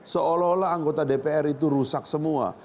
seolah olah anggota dpr itu rusak semua